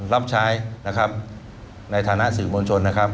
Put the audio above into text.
รับใช้นะครับในฐานะศีลผู้ชนนะครับ